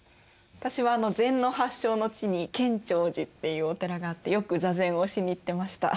私は禅の発祥の地に建長寺っていうお寺があってよく座禅をしに行ってました。